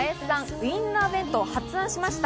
ウインナー弁当を発案しました。